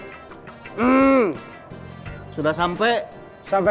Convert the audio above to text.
kamu nggak punya kue